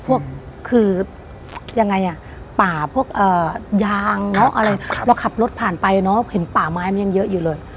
พวกคือยังไงอ่ะป่าพวกยางอะไรเราขับรถผ่านไปเนอะเห็นป่าไม้มันยังเยอะอยู่เลย